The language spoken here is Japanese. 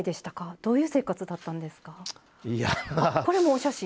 どういう生活だったんですか？